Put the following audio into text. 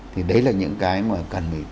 thì đấy là những cái mà cần